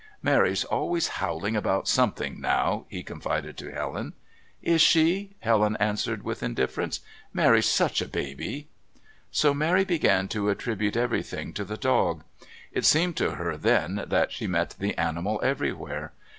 "Mary's always howling about something now," he confided to Helen. "Is she?" Helen answered with indifference. "Mary's such a baby." So Mary began to attribute everything to the dog. It seemed to her then that she met the animal everywhere.